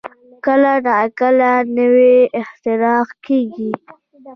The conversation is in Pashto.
کله نا کله نوې اختراع کېږي.